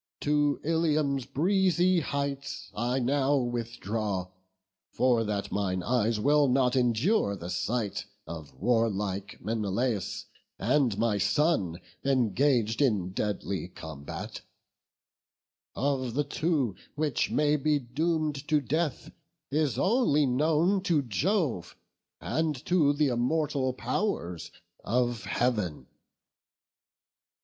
To Ilium's breezy heights I now withdraw, For that mine eyes will not endure the sight Of warlike Menelaus and my son Engag'd in deadly combat; of the two Which may be doom'd to death, is only known To Jove, and to th' immortal pow'rs of Heav'n."